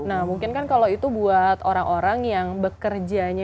nah mungkin kan kalau itu buat orang orang yang bekerjanya